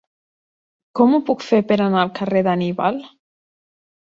Com ho puc fer per anar al carrer d'Anníbal?